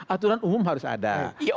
aturan umum harus ada